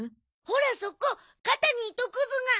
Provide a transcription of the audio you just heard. ほらそこ肩に糸くずが。